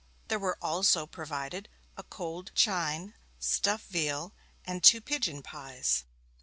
There were also provided a cold chine, stuffed veal, and two pigeon pies.